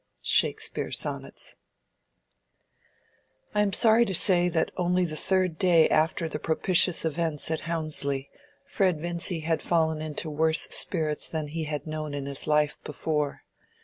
—SHAKESPEARE: Sonnets. I am sorry to say that only the third day after the propitious events at Houndsley Fred Vincy had fallen into worse spirits than he had known in his life before.